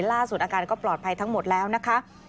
ล่าสุดอาการก็ปลอดภัยทั้งหมดแล้วนะคะ